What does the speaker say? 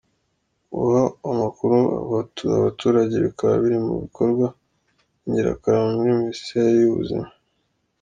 Guha amakuru abaturage bikaba biri mu bikorwa by’ingirakamaro muri Minisiteri y’ubuzima.